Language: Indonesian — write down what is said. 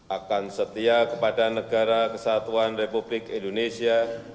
akan setia kepada negara kesatuan republik indonesia